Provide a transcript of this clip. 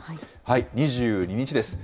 ２２日です。